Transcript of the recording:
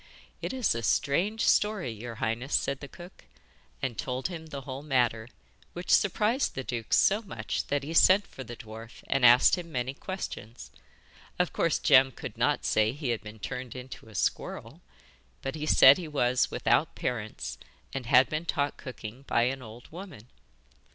'It is a strange story, your highness,' said the cook, and told him the whole matter, which surprised the duke so much that he sent for the dwarf and asked him many questions. Of course, Jem could not say he had been turned into a squirrel, but he said he was without parents and had been taught cooking by an old woman.